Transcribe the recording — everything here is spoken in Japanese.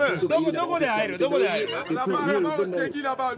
どこで会える？